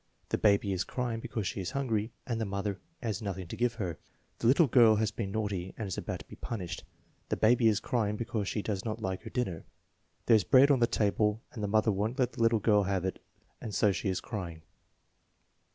"The baby is crying because she is hungry and the mother has nothing to give her." "The little girl has been naughty and is about to be punished." "The baby is crying because she does not like her dinner." "There's bread on the table and the mother won't let the little girl have it and so she is crying."